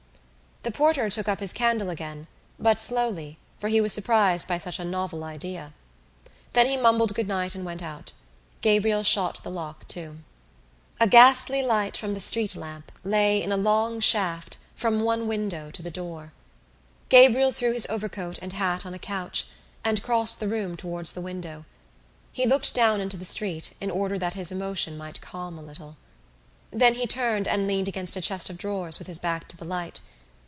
The porter took up his candle again, but slowly for he was surprised by such a novel idea. Then he mumbled good night and went out. Gabriel shot the lock to. A ghostly light from the street lamp lay in a long shaft from one window to the door. Gabriel threw his overcoat and hat on a couch and crossed the room towards the window. He looked down into the street in order that his emotion might calm a little. Then he turned and leaned against a chest of drawers with his back to the light.